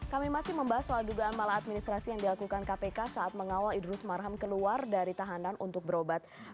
kami masih membahas soal dugaan maladministrasi yang di lakukan kpk saat mengawal idrus marham keluar dari tahanan untuk berobat